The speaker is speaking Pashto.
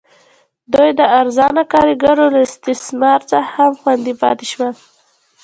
دوی د ارزانه کارګرو له استثمار څخه هم خوندي پاتې شول.